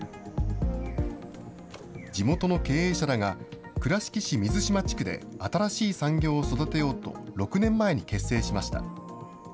地元の経営者らが倉敷市水島地区で新しい産業を育てようと、６年前に結成しました。